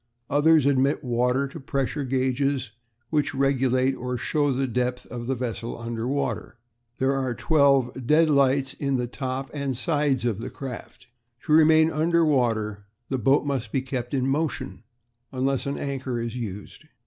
Others admit water to pressure gauges, which regulate or show the depth of the vessel under water. There are twelve deadlights in the top and sides of the craft. To remain under water the boat must be kept in motion, unless an anchor is used.